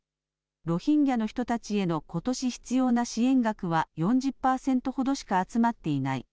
ロヒンギャの人たちへのことし必要な支援額は４０％ほどしか集まっていない。